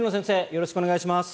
よろしくお願いします。